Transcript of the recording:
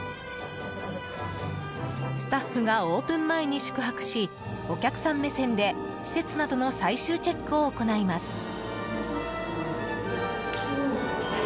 スタッフがオープン前に宿泊しお客さん目線で施設などの最終チェックを行います。